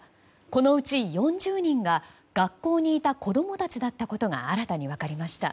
このうち４０人が学校にいた子供たちだったことが新たに分かりました。